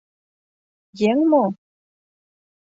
Еҥ мо?